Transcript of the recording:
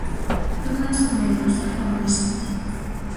Eu non son médico, son economista.